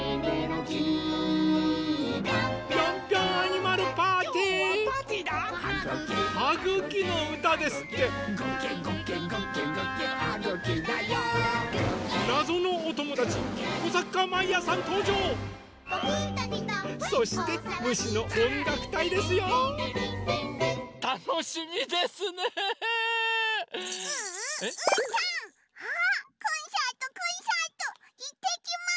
キャハ！コンサートコンサート！いってきます！